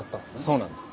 そうなんです。